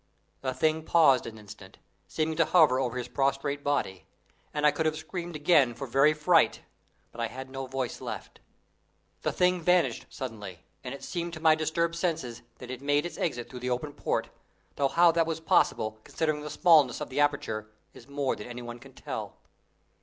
The thing paused an instant, seeming to hover over his prostrate body, and I could have screamed again for very fright, but I had no voice left. The thing vanished suddenly, and it seemed to my disturbed senses that it made its exit through the open port, though how that was possible, considering the smallness of the aperture, is more than any one can tell.